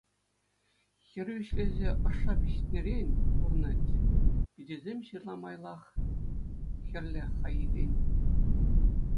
Хӗрӳ ӗҫлесе ӑшша пиҫнӗрен курӑнать, пичӗсем ҫырла майлах хӗрлӗ хӑисен.